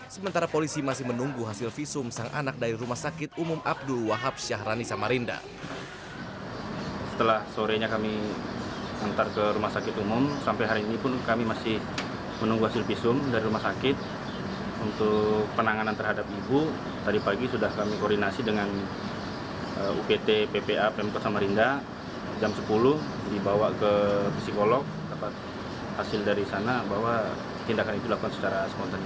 sementara polisi masih menunggu hasil visum sang anak dari rumah sakit umum abdul wahab syahrani samarinda